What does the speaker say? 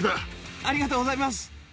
ありがとうございます。